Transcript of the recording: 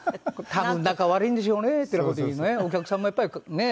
「多分仲悪いんでしょうね」っていうような事をねお客さんもやっぱりね。